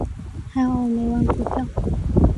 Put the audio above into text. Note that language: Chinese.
还好我没玩股票。